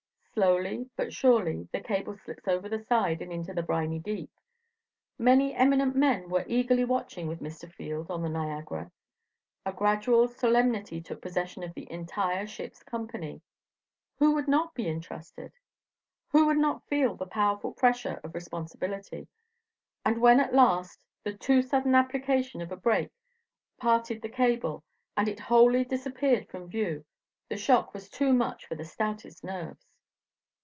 Slowly, but surely, the cable slips over the side and into the briny deep. Many eminent men were eagerly watching with Mr. Field on the Niagara; a gradual solemnity took possession of the entire ship's company. Who would not be interested? Who would not feel the powerful pressure of responsibility, and when at last the too sudden application of a break parted the cable, and it wholly disappeared from view, the shock was too much for the stoutest nerves.